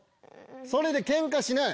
それでケンカしない！